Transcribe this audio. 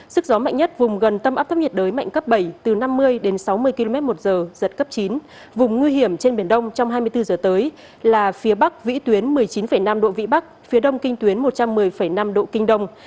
sức gió mạnh nhất vùng gần tâm áp thấp nhiệt đới mạnh cấp bảy từ năm mươi đến sáu mươi km một giờ giật cấp chín vùng nguy hiểm trên biển đông trong hai mươi bốn giờ tới là phía bắc vĩ tuyến một mươi chín năm độ vĩ bắc phía đông kinh tuyến một trăm một mươi năm độ kinh đông